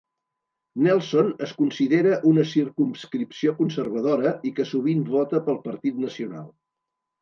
Nelson es considera una circumscripció conservadora i que sovint vota pel Partit Nacional.